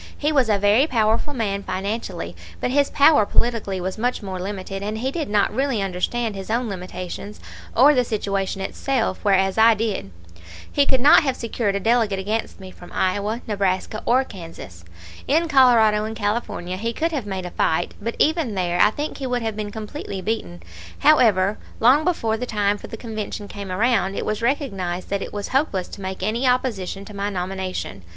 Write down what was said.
He was a very powerful man financially, but his power politically was much more limited, and he did not really understand his own limitations or the situation itself, whereas I did. He could not have secured a delegate against me from Iowa, Nebraska, or Kansas. In Colorado and California he could have made a fight, but even there I think he would have been completely beaten. However, long before the time for the Convention came around, it was recognized that it was hopeless to make any opposition to my nomination.